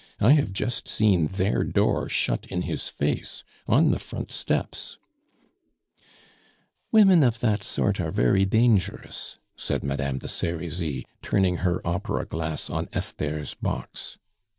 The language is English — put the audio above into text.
I have just seen their door shut in his face on the front steps " "Women of that sort are very dangerous," said Madame de Serizy, turning her opera glass on Esther's box.